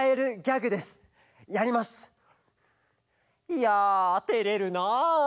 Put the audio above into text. いやてれるな。